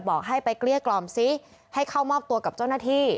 บอกให้ไปเกลี้ยกล่อมซิให้เข้ามอบตัวกับเจ้าหน้าที่